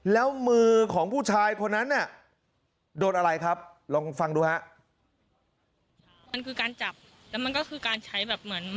แล้วมือของผู้ชายคนนั้นน่ะโดนอะไรครับลองฟังดูฮะ